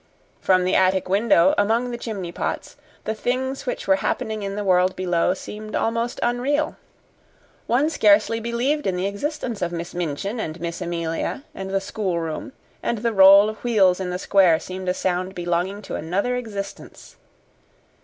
From the attic window, among the chimney pots, the things which were happening in the world below seemed almost unreal. One scarcely believed in the existence of Miss Minchin and Miss Amelia and the schoolroom, and the roll of wheels in the square seemed a sound belonging to another existence.